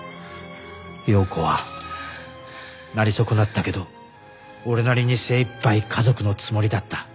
陽子はなり損なったけど俺なりに精いっぱい家族のつもりだった。